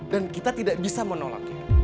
dan kita tidak bisa menolaknya